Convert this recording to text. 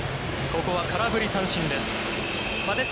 ここは空振り三振です。